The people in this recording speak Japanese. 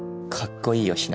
かっこいいよ。